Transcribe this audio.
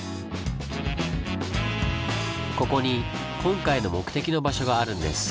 ここに今回の目的の場所があるんです。